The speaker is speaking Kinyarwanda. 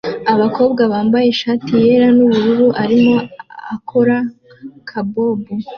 Umugabo wambaye ishati yera nubururu arimo akora kabob